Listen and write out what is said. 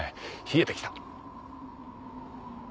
冷えてきた。